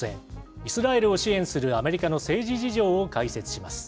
イスラエルを支援するアメリカの政治事情を解説します。